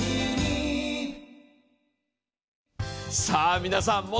さあ皆さん